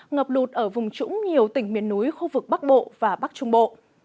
ngập lụt ở vùng trũng nhiều tỉnh miền núi khu vực bắc bộ và bắc trung bộ